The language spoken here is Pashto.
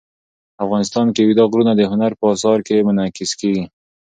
افغانستان کې اوږده غرونه د هنر په اثار کې منعکس کېږي.